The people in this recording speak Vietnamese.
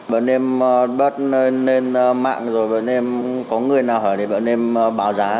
bọn em bắt lên mạng rồi bọn em có người nào hỏi để bọn em báo giá